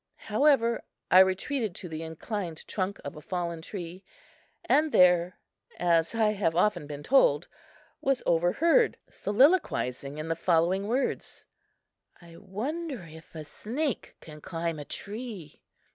However, I retreated to the inclined trunk of a fallen tree, and there, as I have often been told, was overheard soliloquizing in the following words: "I wonder if a snake can climb a tree!"